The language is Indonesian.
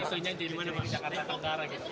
bisa di jakarta tenggara